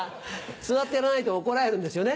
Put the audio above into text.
座ってやらないと怒られるんですよね？